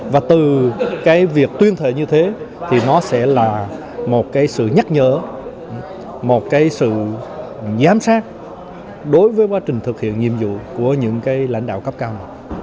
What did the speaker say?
và từ cái việc tuyên thệ như thế thì nó sẽ là một cái sự nhắc nhở một cái sự giám sát đối với quá trình thực hiện nhiệm vụ của những cái lãnh đạo cấp cao